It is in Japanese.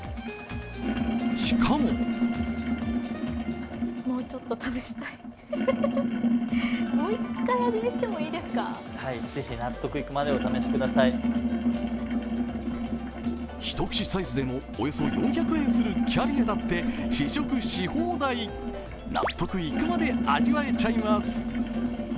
しかも一口サイズでもおよそ４００円するキャビアだって納得いくまで味わえちゃいます。